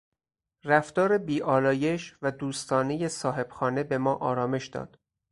رفتار بی آلایش و دوستانهی صاحبخانه به ما آرامش داد.